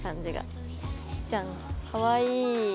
かわいい。